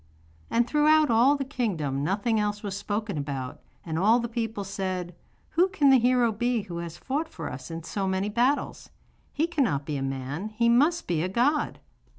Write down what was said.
And throughout all the kingdom nothing else was spoken about, and all the people said: 'Who can the hero be who has fought for us in so many battles? He cannot be a man, he must be a god.